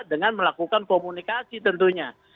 dengan melakukan komunikasi tentunya